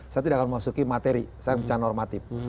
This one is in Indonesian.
saya tidak akan memasuki materi saya bicara normatif